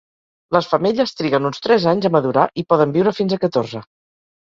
Les femelles triguen uns tres anys a madurar i poden viure fins a catorze.